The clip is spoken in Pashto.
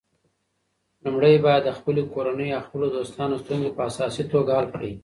لومړی باید د خپلې کورنۍ او خپلو دوستانو ستونزې په اساسي توګه حل کړې.